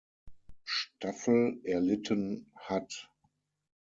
Staffel erlitten hat.